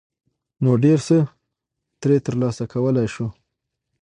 ، نو ډېر څه ترې ترلاسه کولى شو.